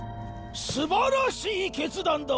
素晴らしい決断だ！